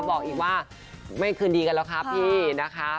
บอกอีกว่าไม่คืณดีครับหรอกค่ะพีชนะคะ